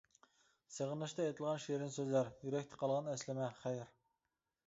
سېغىنىشتا ئېيتىلغان شېرىن سۆزلەر، يۈرەكتە قالغان ئەسلىمە خەير.